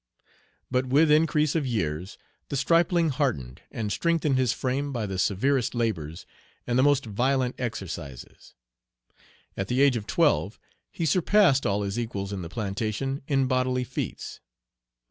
But with increase of years the stripling hardened and strengthened his frame by the severest labors and the most violent exercises. At the age of twelve he surpassed all his equals in the plantation in bodily feats.